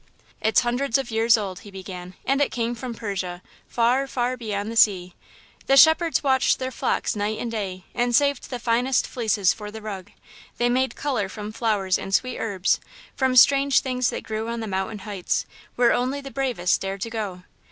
"It's hundreds of years old," he began, "and it came from Persia, far, far beyond the sea. The shepherds watched their flocks night and day, and saved the finest fleeces for the rug. They made colour from flowers and sweet herbs; from strange things that grew on the mountain heights, where only the bravest dared to go.